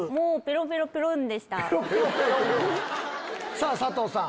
さぁ佐藤さん